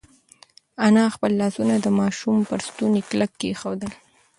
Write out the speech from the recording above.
انا خپل لاسونه د ماشوم پر ستوني کلک کېښودل.